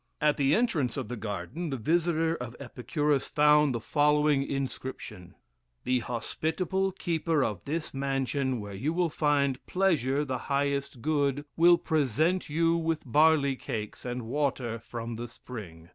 At the entrance of the garden, the visitor of Epicurus found the following inscription: "The hospitable keeper of this mansion, where you will find pleasure the highest good, will present you with barley cakes and water from the spring.